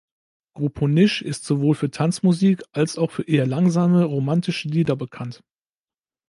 Grupo Niche ist sowohl für Tanzmusik also auch für eher langsame, romantische Lieder bekannt.